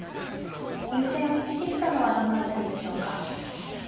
優勢を意識したのはどの辺りでしょうか。